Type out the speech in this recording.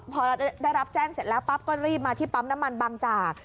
พอได้รับแจ้งเสร็จแล้วปั๊บก็รีบมาที่ปั๊มน้ำมันบางจาก